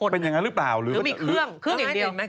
หรือมีเครื่องเครื่องอย่างเดียวงั้นให้เต็มไหมเครื่องอย่างเดียว